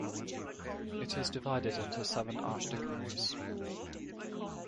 It is divided into seven archdeaconries.